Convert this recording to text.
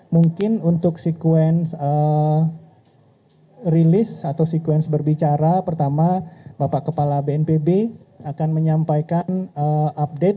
mungkin untuk sekuens rilis atau sekuens berbicara pertama bapak kepala bnpb akan menyampaikan update